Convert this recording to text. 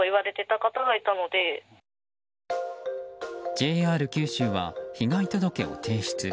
ＪＲ九州は被害届を提出。